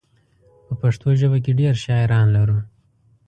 په پښتو ژبه کې ډېر شاعران لرو.